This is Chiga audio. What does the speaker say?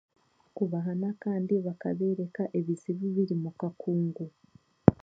Kubahana kandi bakabeereka ebizibu ebiri omu kakungu